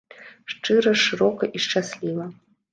Шчыра, шырока і шчасліва.